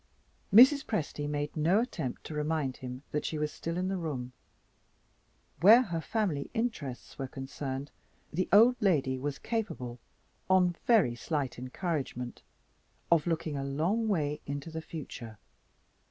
Mrs. Presty made no attempt to remind him that she was still in the room. Where her family interests were concerned, the old lady was capable (on very slight encouragement) of looking a long way into the future.